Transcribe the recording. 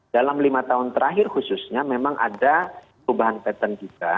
dalam lima tahun terakhir khususnya memang ada perubahan patent juga